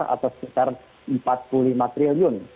atau sekitar empat puluh lima triliun